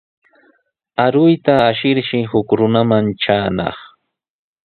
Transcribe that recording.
Aruyta ashirshi huk runaman traanaq.